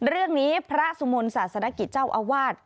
เรื่องนี้พระสุมนต์ศาสนกิจเจ้าอาวาส